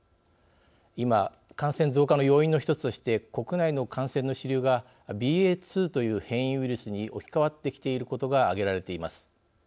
今、感染増加の要因の一つとして国内の感染の主流がＢＡ．２という変異ウイルスに置き換わってきていることが挙げられています。